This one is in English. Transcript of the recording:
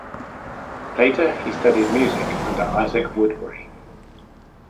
Later he studied music under Isaac Woodbury.